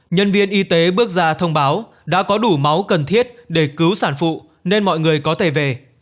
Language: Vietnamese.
nhân viên y tế bước ra thông báo đã có đủ máu cần thiết để cứu sản phụ nên mọi người có thể về